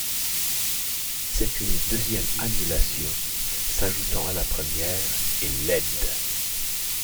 C’est une deuxième annulation s’ajoutant à la première, et laide.